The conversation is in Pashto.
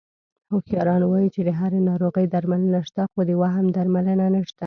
هوښیاران وایي چې د هرې ناروغۍ درملنه شته، خو د وهم درملنه نشته...